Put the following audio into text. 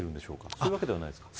そういうわけではないですか。